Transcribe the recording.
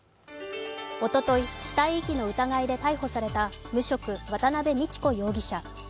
おととい死体遺棄の疑いで逮捕された無職・渡辺美智子容疑者。